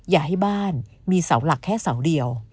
อย่าให้บ้านมีเสาหลักแค่เสาเดียว